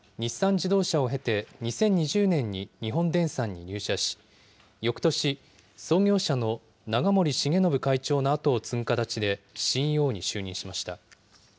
じどうしゃをへて２０２０年に日本電産に入社し、よくとし、創業者の永守重信会長の後を継ぐ形でＣＥＯに就任しました。